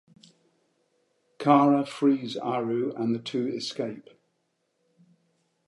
Kara frees Aru and the two escape.